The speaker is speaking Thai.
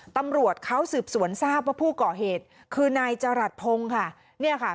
ตำรวจเขาสืบสวนทราบว่าผู้เกาะเหตุคือนายจรัสพงค์ค่ะ